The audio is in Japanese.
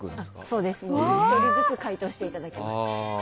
そうです、１人ずつ回答していただきます。